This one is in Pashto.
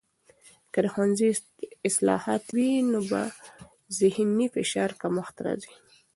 که د ښوونځي اصلاحات وي، نو به د ذهني فشار کمښت راسي.